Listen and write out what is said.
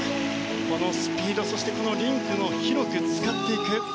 このスピードそしてリンクを広く使っていく。